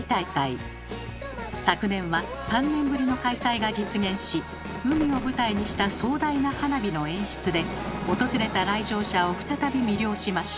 昨年は３年ぶりの開催が実現し海を舞台にした壮大な花火の演出で訪れた来場者を再び魅了しました。